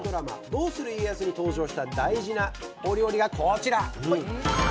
「どうする家康」に登場した大事なお料理がこちら！